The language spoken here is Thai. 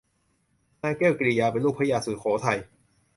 นางแก้วกิริยาเป็นลูกพระยาสุโขทัย